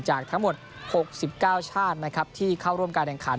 จากทั้งหมด๖๙ชาตินะครับที่เข้าร่วมการแข่งขัน